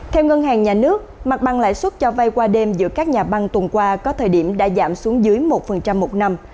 theo ngân hàng nhà nước mặt bằng lãi suất cho vay qua đêm giữa các nhà băng tuần qua có thời điểm đã giảm xuống dưới một một năm